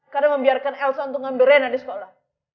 karena membiarkan elsa untuk mengambil rena di sekolah